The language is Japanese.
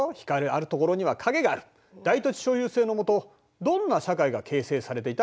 大土地所有制の下どんな社会が形成されていた？